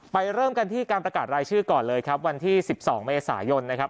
เริ่มกันที่การประกาศรายชื่อก่อนเลยครับวันที่๑๒เมษายนนะครับ